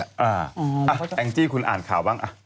แองจี้คุณอ่านข่าวบ้าง